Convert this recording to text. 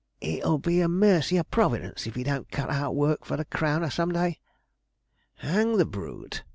It'll be a mercy o' Providence if he don't cut out work for the crowner some day.' 'Hang the brute!'